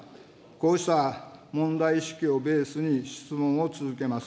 こうした問題意識をベースに質問を続けます。